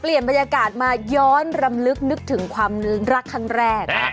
บรรยากาศมาย้อนรำลึกนึกถึงความรักครั้งแรก